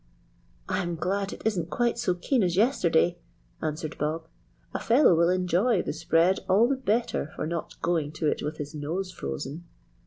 "I'm glad it isn't quite so keen as yesterday," answered Bob. "A fellow will enjoy the spread all the better for not going to it with his nose frozen."